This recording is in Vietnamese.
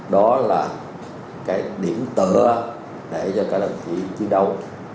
đó là cái điểm tựa để cho các đồng chí chiến đấu